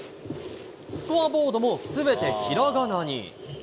スコアボードもすべてひらがなに。